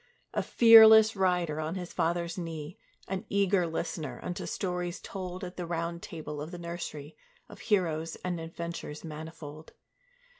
A fearless rider on his father's knee, An eager listener unto stories told At the Round Table of the nursery, Of heroes and adventures manifold.